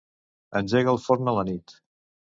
Engega el forn a la nit.